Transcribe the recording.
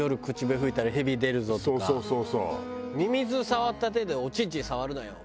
「ミミズ触った手でおちんちん触るなよ」とかね。